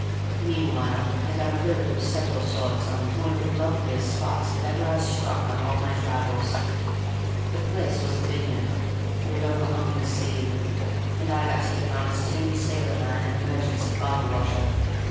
Meanwhile I got a billet of several sorts on one of the loveliest spots that ever I struck on all my travels. The place was a vineyard, but it overhung the sea, and I got taken on as tame sailorman and emergency bottle washer.